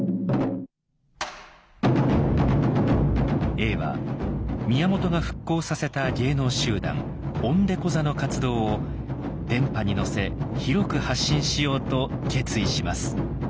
永は宮本が復興させた芸能集団鬼太鼓座の活動を電波に乗せ広く発信しようと決意します。